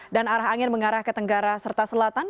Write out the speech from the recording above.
dan arah angin mengarah ke tenggara serta selatan